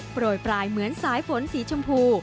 โปรยปลายเหมือนสายฝนสีชมพู